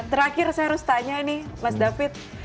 terakhir saya harus tanya nih mas david